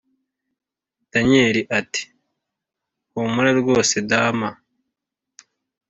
daniel ati: humura rwose dama!